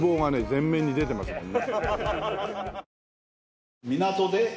全面に出てますもんね。